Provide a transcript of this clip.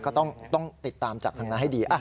ก็ต้องติดตามจากทางนั้นให้ดี